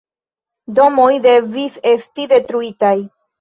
Domoj devis esti detruitaj.